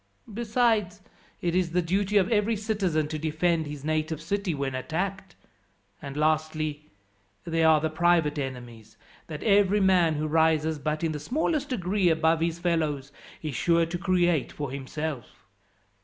Besides, it is the duty of every citizen to defend his native city when attacked. And lastly, there are the private enemies, that every man who rises but in the smallest degree above his fellows is sure to create for himself.